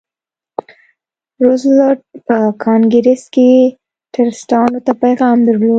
روزولټ په کانګریس کې ټرستانو ته پیغام درلود.